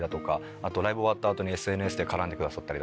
あとライブ終わった後ＳＮＳで絡んでくださったり。